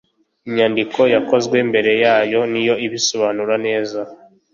Inyandiko yakozwe mbere yayo niyo ibisobanura neza